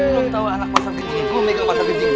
lo tau anak pasar kecil gue megang pasar kecil